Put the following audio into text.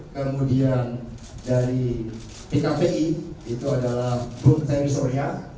kemudian dari pkpi itu adalah bukalapak